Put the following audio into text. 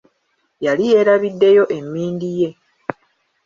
Yali yeerabiddeyo emmindi ye.